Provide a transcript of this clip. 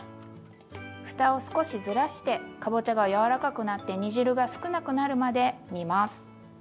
ふたを少しずらしてかぼちゃが柔らかくなって煮汁が少なくなるまで煮ます。